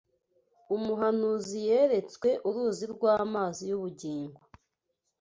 Umuhanuzi yeretswe uruzi rw’amazi y’ubugingo